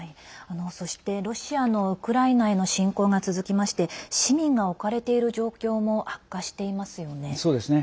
そして、ロシアのウクライナへの侵攻が続きまして市民が置かれている状況も悪化していますよね。